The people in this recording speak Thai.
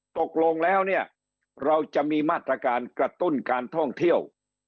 ตกลงแล้วเนี่ยเราจะมีมาตรการกระตุ้นการท่องเที่ยว